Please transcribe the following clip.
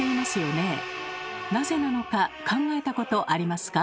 なぜなのか考えたことありますか？